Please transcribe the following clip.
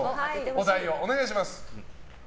お題をお願いします。